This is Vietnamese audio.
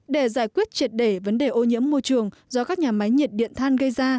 để giải quyết triệt để vấn đề ô nhiễm môi trường do các nhà máy nhiệt điện than gây ra